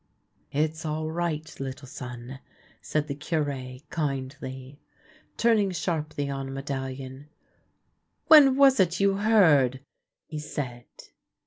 " It's all right, little son," said the Cure kindly. Turning sharply on Medallion :" When was it you heard? " he said.